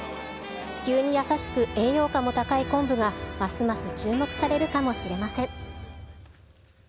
地球に優しく、栄養価も高い昆布がますます注目されるかもしれません。